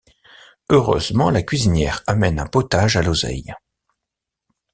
Heureusement, la cuisinière amène un potage à l’oseille.